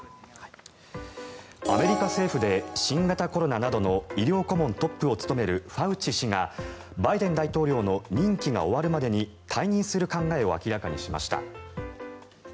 アメリカ政府で新型コロナなどの医療顧問トップを務めるファウチ氏がバイデン大統領の任期が終わるまでに退任する考えを明らかにしました。